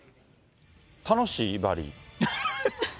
楽しい、バリ？